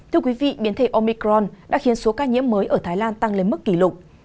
thưa quý vị biến thể omicron đã khiến số ca nhiễm mới ở thái lan tăng lên mức kỷ lục